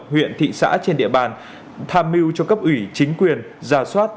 huyện thị xã trên địa bàn tham mưu cho cấp ủy chính quyền giả soát